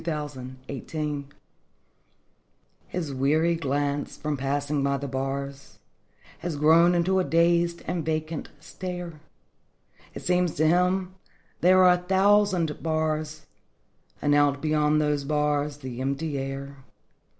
THE PANTHER His weary glance, from passing by the bars, Has grown into a dazed and vacant stare; It seems to him there are a thousand bars And out beyond those bars the empty air.